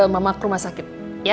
mama ke rumah sakit